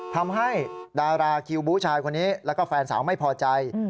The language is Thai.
ทำให้ดาราคิวบู้ชายคนนี้แล้วก็แฟนสาวไม่พอใจ